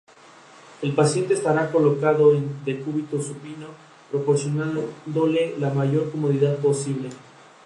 En mal tiempo puede ser imposible llegar a tierra.